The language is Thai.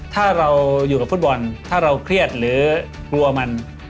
ถ้าเราอยู่กับฟุตบอลถ้าเราเครียดหรือกลัวมัน